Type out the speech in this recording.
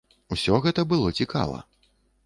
Усё гэта было цікава.